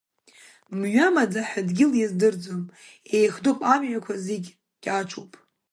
Мҩа маӡаҳәа дгьыл иаздырӡом, еихдоуп амҩақәа зегь кьаҿуп.